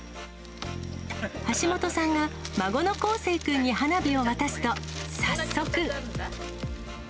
橋本さんが孫の晃成君に花火を渡すと、早速。